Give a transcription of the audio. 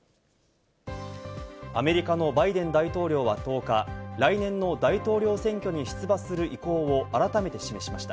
アメリカのバイデン大統領は１０日、来年の大統領選挙に出馬する意向を改めて示しました。